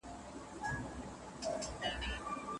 د کلمو د سم استعمال لپاره املا یو ښه لارښود دی.